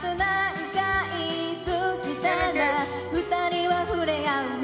「２人はふれあうの」